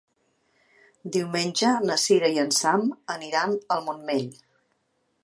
Diumenge na Sira i en Sam aniran al Montmell.